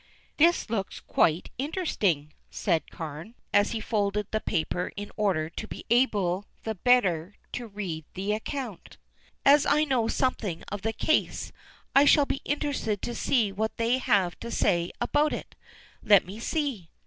"This looks quite interesting," said Carne, as he folded the paper in order to be able the better to read the account. "As I know something of the case I shall be interested to see what they have to say about it. Let me see."